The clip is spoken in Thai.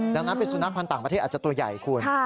ดังนั้นเป็นสุนัขพันธ์ต่างประเทศอาจจะตัวใหญ่คุณ